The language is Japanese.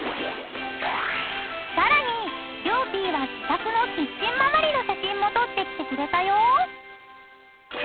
［さらにりょうぴぃは自宅のキッチン周りの写真も撮ってきてくれたよ］